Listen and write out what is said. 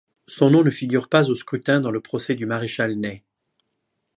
Son nom ne figure pas au scrutin dans le procès du maréchal Ney.